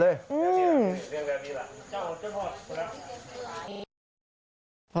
เรียกแบบนี้แหละ